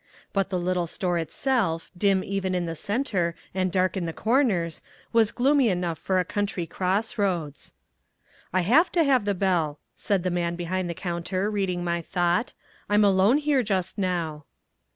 But the little store itself, dim even in the centre and dark in the corners was gloomy enough for a country crossroads. "I have to have the bell," said the man behind the counter, reading my thought, "I'm alone here just now."